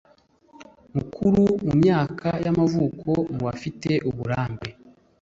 mukuru mu myaka y amavuko mu bafite uburambe